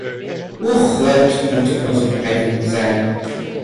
Hoe groot moeten onze bedrijven zijn?